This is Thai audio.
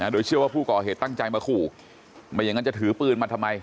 โดยเชื่อว่าผู้ก่อเหตุตั้งใจมาขู่ไม่อย่างนั้นจะถือปืนมาทำไม